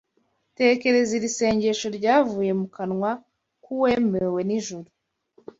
Tekereza iri sengesho ryavuye mu kanwa k’uwemewe n’ijuru